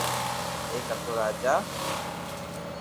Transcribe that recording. ايڪ ھتو راجا